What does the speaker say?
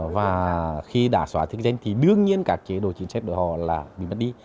và khi đã xóa chức danh thì đương nhiên các chế độ chính sách của họ là bị mất đi